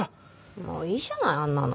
もういいじゃないあんなの。